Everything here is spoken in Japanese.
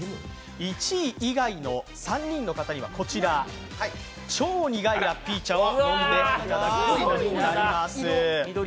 １位以外の３人の方にはこちら、超苦いラッピー茶を飲んでいただきます。